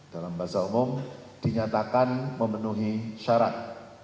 dalam bahasa umum dinyatakan memenuhi syarat